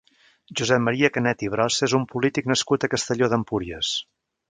Josep Maria Canet i Brossa és un polític nascut a Castelló d'Empúries.